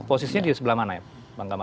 posisinya di sebelah mana ya bang gamal